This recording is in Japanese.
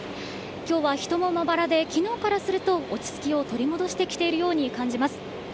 きょうは人もまばらで、きのうからすると、落ち着きを取り戻してきているように感じます。